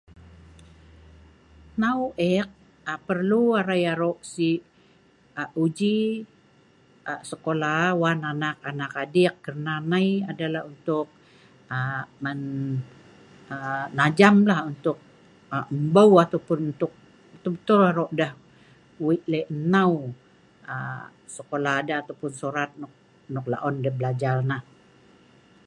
Hnau eek[um] perlu arai aro' si' um uji um sekolah wan anak anak adiek' kerna nai adalah untuk um [unintelligible] najam lah untuk um embou ataupun betul betul [unintelligible] aro' deh Wei' le' nau sekolah deh ataupun sorat nok nok aro' deh belajar nah